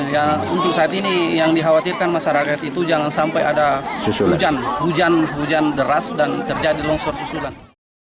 ya untuk saat ini yang dikhawatirkan masyarakat itu jangan sampai ada hujan hujan deras dan terjadi longsor susulan